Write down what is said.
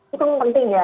itu penting ya